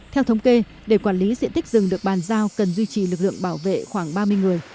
theo thống kê để quản lý diện tích rừng được bàn giao cần duy trì lực lượng bảo vệ khoảng ba mươi người